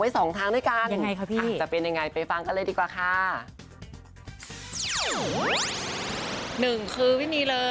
สองฝากไข่